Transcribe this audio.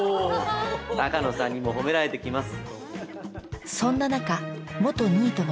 鷹野さんにも褒められてきます。